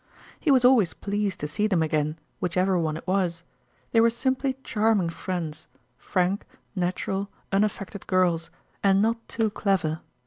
He was always pleased to see them again, whichever one it was ; they were simply charming friends frank, natural, unaffected girls and not too clever.